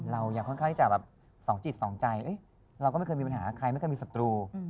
เรายังค่อนข้างที่จะแบบสองจิตสองใจเราก็ไม่เคยมีปัญหาใครไม่เคยมีศัตรู